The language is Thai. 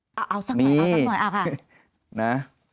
เอาสักหน่อยเอาสักหน่อยเอาค่ะนะ